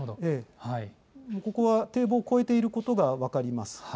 ここは堤防を越えていることが分かります。